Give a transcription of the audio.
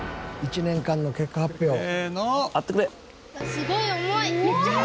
すごい重い。